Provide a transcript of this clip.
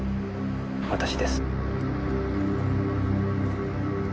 私です。